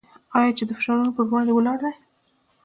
آیا چې د فشارونو پر وړاندې ولاړ دی؟